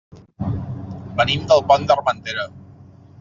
Venim del Pont d'Armentera.